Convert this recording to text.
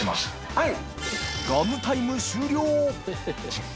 はい。